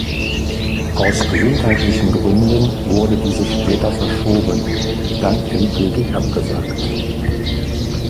Aus gesundheitlichen Gründen wurde diese später verschoben, dann endgültig abgesagt.